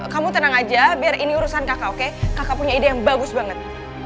kamu tenang aja biar ini urusan kakak oke kakak punya ide yang bagus banget